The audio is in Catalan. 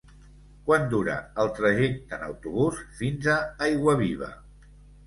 Quant dura el trajecte en autobús fins a Aiguaviva?